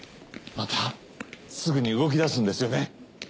またすぐに動きだすんですよね。